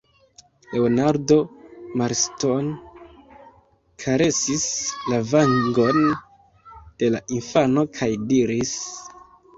Leonardo Marston karesis la vangon de la infano kaj diris: